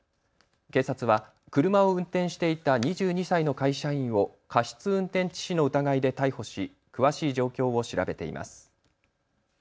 警察は車を運転していた２２歳の会社員を過失運転致死の疑いで逮捕し詳しい状況を調べています。